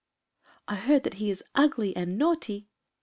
"I heard that he is ugly and naughty."